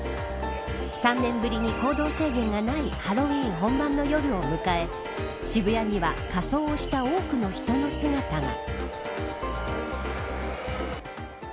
３年ぶりに行動制限がないハロウィーン本番の夜を迎え渋谷には仮装をした多くの人の姿が。